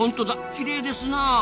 きれいですなあ。